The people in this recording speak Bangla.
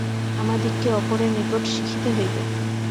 আমাদিগকে অপরের নিকট শিখিতে হইবে।